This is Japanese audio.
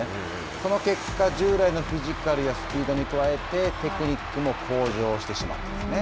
その結果、従来のフィジカルやスピードに加えて、テクニックも向上してしまったんですね。